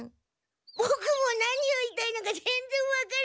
ボクも何を言いたいのか全然わからない。